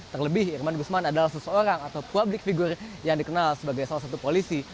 terlebih irman gusman adalah seseorang atau public figure yang dikenal sebagai salah satu polisi